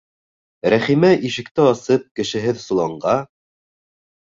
Рәхимә, ишекте асып, кешеһеҙ соланға: